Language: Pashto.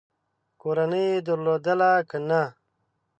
کورنۍ یې درلودله که نه ؟